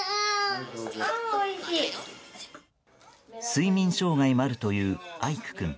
睡眠障害もあるという愛久くん。